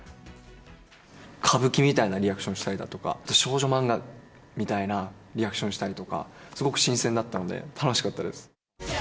歌舞伎みたいなリアクションしたりだとか、少女漫画みたいなリアクションしたりとか、すごく新鮮だったので、楽しかったです。